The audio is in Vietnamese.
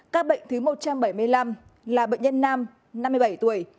ca bệnh thứ một trăm bảy mươi năm là bệnh nhân nam năm mươi bảy tuổi